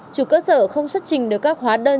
chủ cơ sở không xuất trình được các hóa đơn